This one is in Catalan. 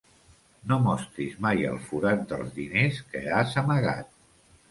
No mostris mai el forat dels diners que has amagat.